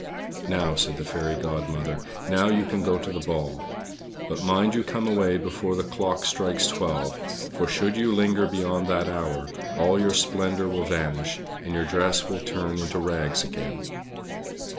"Now," said the Fairy Godmother, "now you can go to the ball. But mind you come away before the clock strikes twelve, for should you linger beyond that hour, all your splendor will vanish, and your dress will turn into rags again."